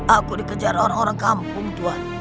aku dikejar orang orang kampung tuhan